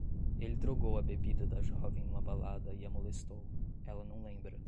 Ele drogou a bebida da jovem numa balada e a molestou. Ela não lembra